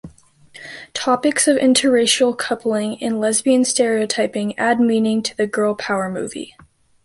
Topics of interracial coupling and lesbian stereotyping add meaning to the girl power movie.